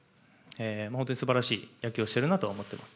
本当に素晴らしい野球をしているなとは思っています。